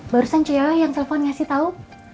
barusan cewek yang telfon ngasih tau